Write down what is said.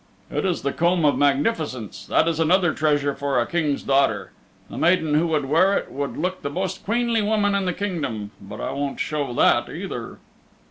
"It is the Comb of Magnificence. That is another treasure for a King's daughter. The maiden who would wear it would look the most queenly woman in the Kingdom. But I won't show that either."